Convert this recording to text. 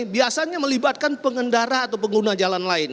biasanya melibatkan pengendara atau pengguna jalan lain